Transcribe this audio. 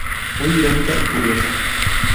Muy irónica y curiosa".